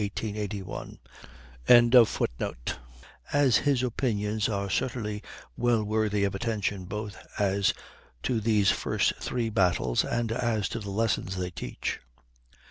] as his opinions are certainly well worthy of attention both as to these first three battles, and as to the lessons they teach.